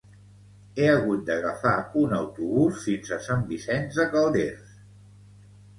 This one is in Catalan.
He hagut d'agafar un autobús fins a Sant Vicenç de Calders.